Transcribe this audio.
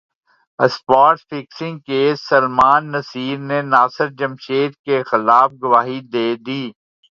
spot fixing case Salman Naseer نے ناصر جمشید کیخلاف گواہی دے دی